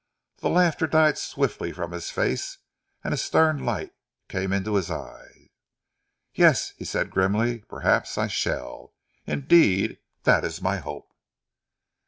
The laughter died swiftly from his face, and a stern light came into his eyes. "Yes," he said grimly, "perhaps I shall. Indeed that is my hope."